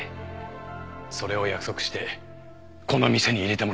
それを約束してこの店に入れてもらったんです。